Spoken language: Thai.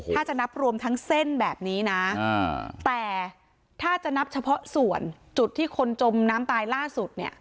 ถ้าจะนับรวมทั้งเส้นแบบนี้นะแต่ถ้าจะนับเฉพาะส่วนจุดที่คนจมน้ำตายล่าสุดเนี่ย